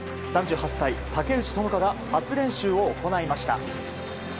３８歳、竹内智香が初練習を行いました。